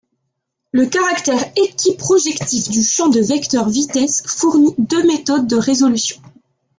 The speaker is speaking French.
Le caractère équiprojectif du champ de vecteurs vitesse fournit deux méthodes de résolution.